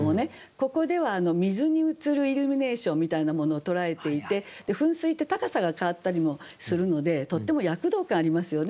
ここでは水に映るイルミネーションみたいなものを捉えていて噴水って高さが変わったりもするのでとっても躍動感ありますよね。